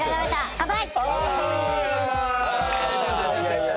乾杯！